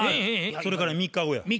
それから３日後や。